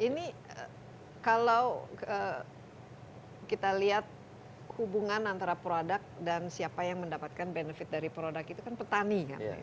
ini kalau kita lihat hubungan antara produk dan siapa yang mendapatkan benefit dari produk itu kan petani